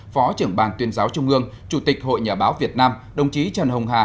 phó trưởng ban tuyên giáo trung ương chủ tịch hội nhà báo việt nam đồng chí trần hồng hà